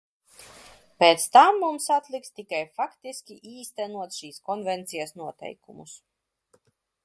Pēc tam mums atliks tikai faktiski īstenot šīs konvencijas noteikumus.